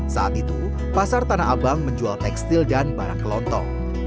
saat itu pasar tanah abang menjual tekstil dan barang kelontong